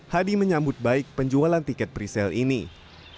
hadi menyambut baik penjualan tiket berikutnya